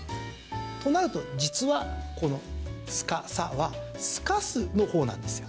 となると、実はこの「すかさ」は透かすのほうなんですよ。